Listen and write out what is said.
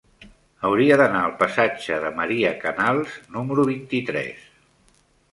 Hauria d'anar al passatge de Maria Canals número vint-i-tres.